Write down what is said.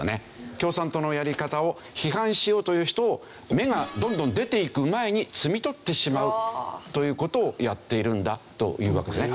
共産党のやり方を批判しようという人を芽がどんどん出ていく前に摘み取ってしまうという事をやっているんだというわけですね。